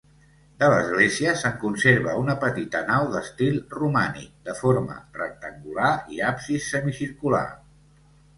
De l'església, se'n conserva una petita nau d'estil romànic, de forma rectangular i absis semicircular.